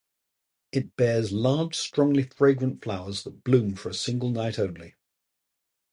It bears large, strongly fragrant flowers that bloom for a single night only.